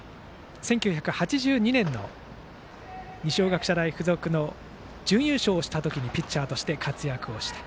１９８２年の二松学舎大付属が準優勝した時ピッチャーとして活躍をした。